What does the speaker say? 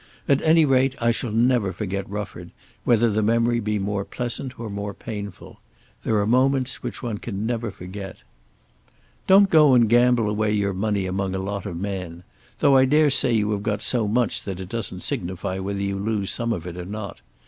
At any rate I shall never forget Rufford, whether the memory be more pleasant or more painful. There are moments which one never can forget! Don't go and gamble away your money among a lot of men. Though I dare say you have got so much that it doesn't signify whether you lose some of it or not.